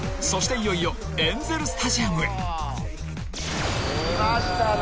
いよいよエンゼルスタジアムへ］来ましたね。